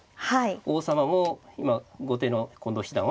王様も今後手の近藤七段はこう。